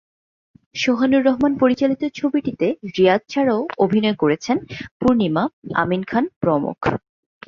সোহানুর রহমান পরিচালিত ছবিটিতে রিয়াজ ছাড়াও অভিনয় করেছেন পূর্ণিমা, আমিন খান প্রমুখ।